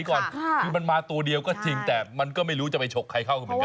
คือมันมาตัวเดียวก็จริงแต่มันก็ไม่รู้จะไปฉกใครเข้าเหมือนกัน